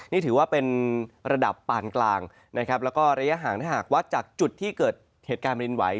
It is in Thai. นี่ถือว่าเป็นระดับปานกลางนะครับแล้วก็ระยะห่างถ้าหากวัดจากจุดที่เกิดเหตุการณ์รินไหว